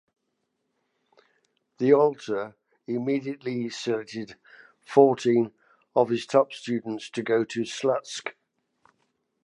The Alter immediately selected fourteen of his top students to go to Slutsk.